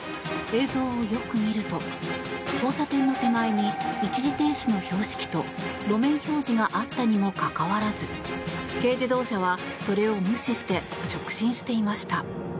映像をよく見ると交差点の手前に一時停止の標識と路面標示があったにもかかわらず軽自動車はそれを無視して直進していました。